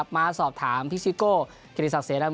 มาสอบถามพิซิโกกิ